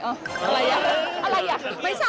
อะไรอ่ะ